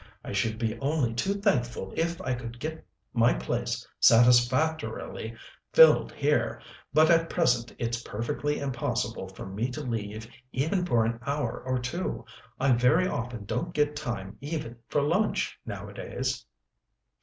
"I should be only too thankful if I could get my place satisfactorily filled here, but at present it's perfectly impossible for me to leave even for an hour or two. I very often don't get time even for lunch nowadays."